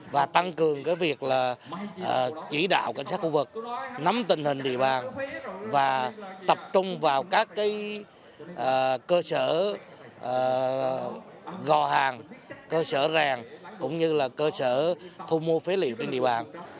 và tăng cường việc chỉ đạo cảnh sát khu vực nắm tình hình địa bàn và tập trung vào các cơ sở gò hàng cơ sở rèn cũng như là cơ sở thu mua phế liệu trên địa bàn